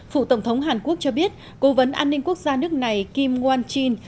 phụ tổng thống hàn quốc cho biết cố vấn an ninh quốc gia nước này kim won jin